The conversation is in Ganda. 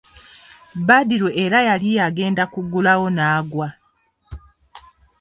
Badru era yali agenda okugulawo n'aggwa.